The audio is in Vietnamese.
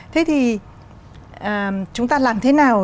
thế thì chúng ta làm thế nào